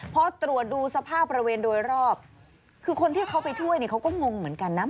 พอตรวจดูสภาพบริเวณโดยรอบคือคนที่เขาไปช่วยเนี่ยเขาก็งงเหมือนกันนะ